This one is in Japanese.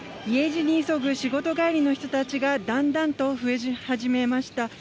家路に急ぐ仕事帰りの人たちがだんだんと増え始めました、